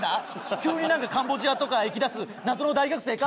急になんかカンボジアとか行きだす謎の大学生か？